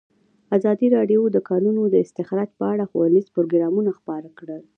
ازادي راډیو د د کانونو استخراج په اړه ښوونیز پروګرامونه خپاره کړي.